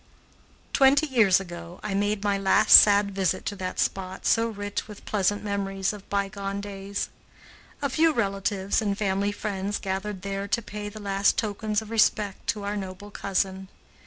Twenty years ago I made my last sad visit to that spot so rich with pleasant memories of bygone days. A few relatives and family friends gathered there to pay the last tokens of respect to our noble cousin.